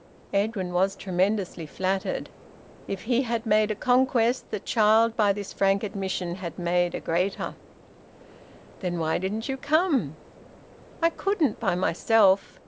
Edwin was tremendously flattered. If he had made a conquest, the child by this frank admission had made a greater. "Then why didn't you come?" "I couldn't, by myself.